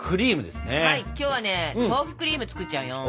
はい今日はね豆腐クリーム作っちゃうよん。